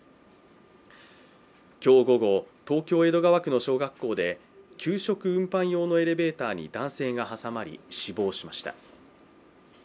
今日午後、東京・江戸川区の小学校で、給食運搬用のエレベーターに男性が挟まり死亡しました。